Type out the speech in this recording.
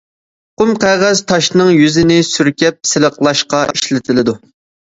قۇم قەغەز تاشنىڭ يۈزىنى سۈركەپ سىلىقلاشقا ئىشلىتىلىدۇ.